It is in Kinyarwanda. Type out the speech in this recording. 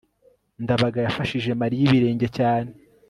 ndabaga yafashije mariya ibirenge cyane